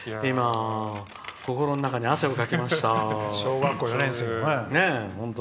心の中に汗をかきました。